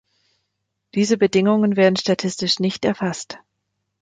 Diese Bedingungen werden statistisch nicht erfasst.